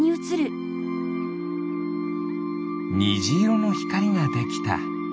にじいろのひかりができた。